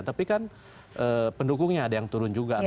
tapi kan pendukungnya ada yang turun juga